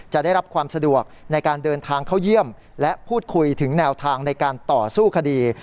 จะได้รับความสะดวกในการเดินทางเข้าเยี่ยมและพูดคุยถึงแนวทางในการต่อสู้คดี